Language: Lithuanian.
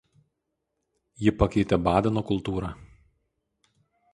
Ji pakeitė Badeno kultūrą.